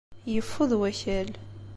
Yeffud wakal.